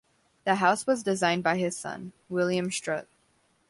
The house was designed by his son, William Strutt.